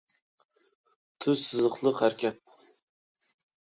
تۈز سىزىقلىق ھەرىكەت